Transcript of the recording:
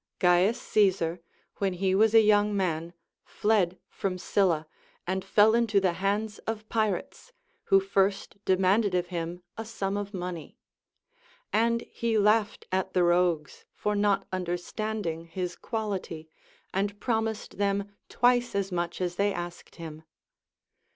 Cains Caesar, Avhen he was a young man, fled from Sylla, and fell into the hands of pirates, who first demanded of him a sum of money ; and he laughed at the rogues for not understanding his quality, and promised them twice as much as they asked him.